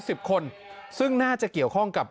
สิบคนซึ่งน่าจะเกี่ยวข้องกับ